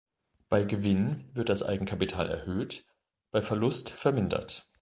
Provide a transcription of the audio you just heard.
Bei Gewinn wird das Eigenkapital erhöht, bei Verlust vermindert.